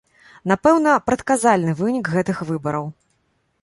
Напэўна, прадказальны вынік гэтых выбараў.